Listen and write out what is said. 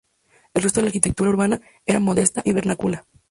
El resto de la arquitectura urbana era modesta y vernácula.